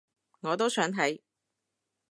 我都想睇